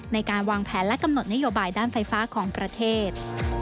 ในการวางแผนและกำหนดนโยบายด้านไฟฟ้าของประเทศ